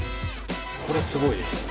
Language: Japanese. これすごいです。